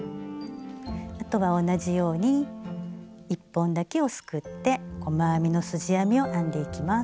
あとは同じように１本だけをすくって細編みのすじ編みを編んでいきます。